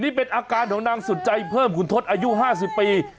นี่เป็นอาการของนางสุดใจเพิ่มขุนทศอายุ๕๐ปี